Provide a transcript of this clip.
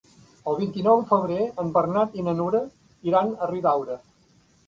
El vint-i-nou de febrer en Bernat i na Nura iran a Riudaura.